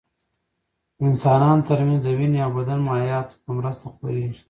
د انسانانو تر منځ د وینې او بدن مایعاتو په مرسته خپرېږي.